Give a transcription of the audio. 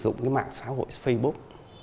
thử dụng cái mạng xã hội facebook